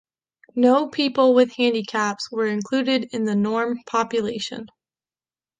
No people with handicaps were included in the norm population.